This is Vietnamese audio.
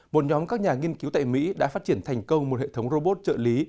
một nhóm các nhà nghiên cứu tại mỹ đã phát triển thành công một hệ thống robot trợ lý